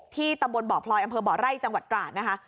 ตำบลบ่อพลอยอำเภอบ่อไร่จังหวัดตราดนะคะ